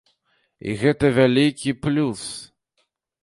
І гэта вялікі плюс.